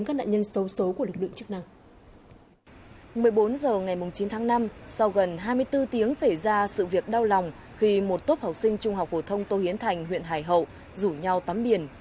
các em học sinh trung học phổ thông tô hiến thành huyện hải hậu rủ nhau tắm biển